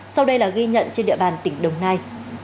sau đây là ghi nhận trên địa bàn tỉnh đồng nai